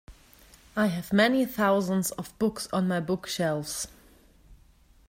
I have many thousands of books on my bookshelves.